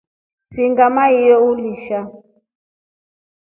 Singa maiyoo undusha.